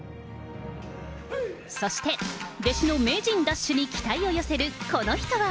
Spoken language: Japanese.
そして、弟子の名人奪取に期待を寄せるこの人は。